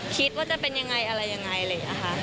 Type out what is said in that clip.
คิดว่าจะเป็นยังไงอะไรยังไงเลยค่ะ